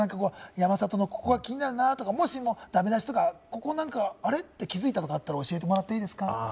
山里のここが気になるなとか、だめ出しとか、あれ？って気づいたところがあったら教えてもらっていいですか。